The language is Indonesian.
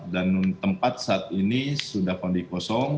dan tempat saat ini sudah fondi kosong